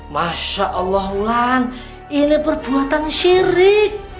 masya allah ulan ini perbuatan sirik